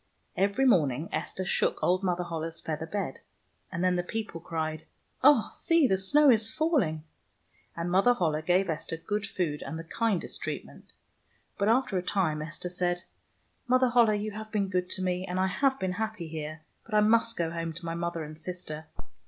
Every morning Esther shook old Mother Holle's feather bed, and then the people cried, " Oh, see, the snow is falling." And Mother Holle gave Esther good food and the kindest treatment. But after a time Esther said, " Mother Holle, you have been good to me, and I have been happy here, but I must go home to my mother and sister."